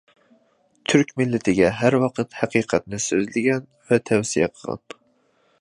تۈرك مىللىتىگە ھەر ۋاقىت ھەقىقەتنى سۆزلىگەن ۋە تەۋسىيە قىلغان.